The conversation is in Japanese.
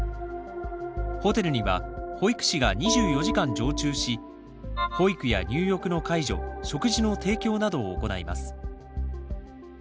ホテルには保育士が２４時間常駐し保育や入浴の介助食事の提供などを行います。